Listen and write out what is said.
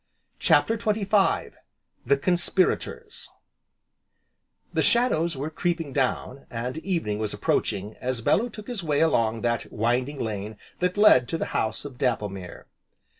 CHAPTER XXV The Conspirators The shadows were creeping down, and evening was approaching, as Bellew took his way along that winding lane that led to the House of Dapplemere.